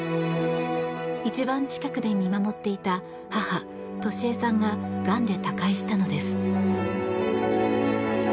一番近くで見守っていた母・俊恵さんががんで他界したのです。